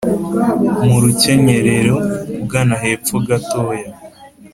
mu rukenyerero ugana hepfo gatoya